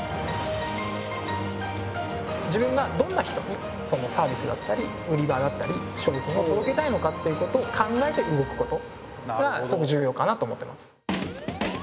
自分がどんな人にそのサービスだったり売り場だったり商品を届けたいのかっていうことを考えて動くことがすごく重要かなと思ってます。